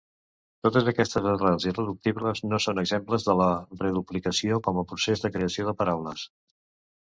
Totes aquestes arrels irreductibles no són exemples de la reduplicació com a procés de creació de paraules.